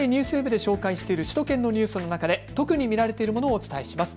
ＮＨＫＮＥＷＳＷＥＢで紹介している首都圏のニュースの中で特に見られているものをお伝えします。